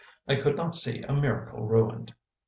I could not see a miracle ruined."